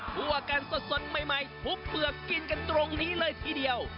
กันสดใหม่ทุบเปลือกกินกันตรงนี้เลยทีเดียว